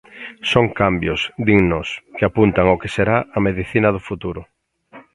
Son cambios, dinnos, que apuntan ao que será a medicina do futuro.